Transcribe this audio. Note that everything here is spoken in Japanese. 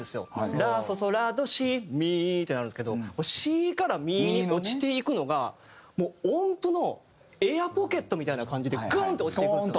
ラソソラドシミってなるんですけどシからミに落ちていくのがもう音符のエアーポケットみたいな感じでグーンって落ちていくんですよ。